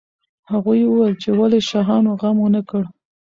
هغوی وویل چې ولې شاهانو غم ونه کړ.